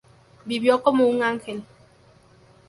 Vivió como un ángel.